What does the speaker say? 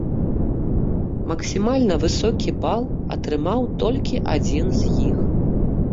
Максімальна высокі бал атрымаў толькі адзін з іх.